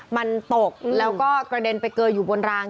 มันตกแล้วก็กระเด็นไปเกยอยู่บนราง